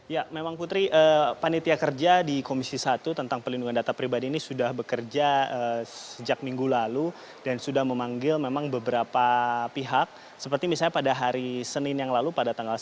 ya memang putri panitia kerja di komisi satu tentang pelindungan data pribadi ini sudah bekerja sejak minggu lalu dan sudah memanggil memang beberapa pihak seperti misalnya pada hari senin yang lalu pada tanggal sembilan belas